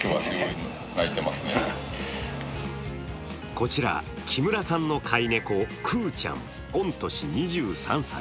こちら木村さんの飼い猫くーちゃん、御年２３歳。